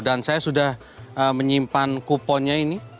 dan saya sudah menyimpan kuponnya ini